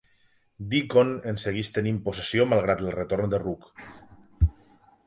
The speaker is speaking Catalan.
Deacon en segueix tenint possessió malgrat el retorn de Rook.